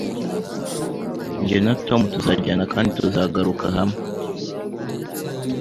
Jye na Tom tuzajyana kandi tuzagaruka hamwe